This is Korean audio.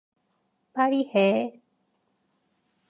빨리 해.